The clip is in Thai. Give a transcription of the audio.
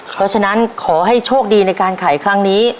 เพราะฉะนั้นขอให้โชคดีในการขายครั้งนี้